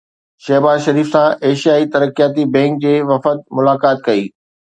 شهباز شريف سان ايشيائي ترقياتي بئنڪ جي وفد ملاقات ڪئي